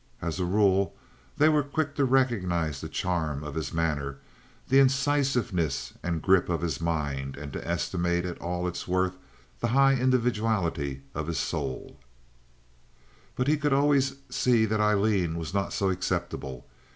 As a rule they were quick to recognize the charm of his manner, the incisiveness and grip of his mind, and to estimate at all its worth the high individuality of his soul; but he could also always see that Aileen was not so acceptable.